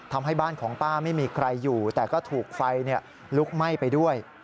ทำให้บ้านของป้าไม่มีใครอยู่แต่ก็ถูกไฟลุกไหม้ไปด้วย